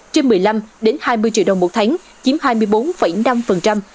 trên một mươi năm hai mươi triệu đồng một tháng chiếm hai mươi bốn năm